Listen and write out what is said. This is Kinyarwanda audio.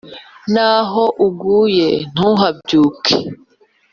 N'aho uguye ntuhabyuke